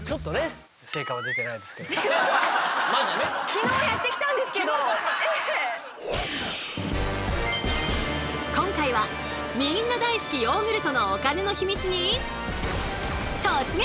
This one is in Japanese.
こうやってあと今回はみんな大好きヨーグルトのお金のヒミツに突撃！